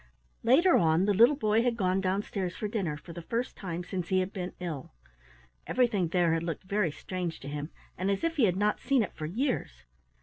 Later on the little boy had gone downstairs for dinner, for the first time since he had been ill. Everything there had looked very strange to him, and as if he had not seen it for years.